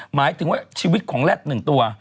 หมายถึงว่าชีวิตของแร็ด๑ตัว